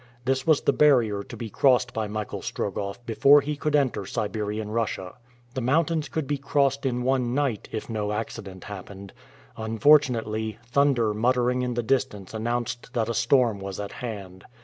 This was the barrier to be crossed by Michael Strogoff before he could enter Siberian Russia. The mountains could be crossed in one night, if no accident happened. Unfortunately, thunder muttering in the distance announced that a storm was at hand.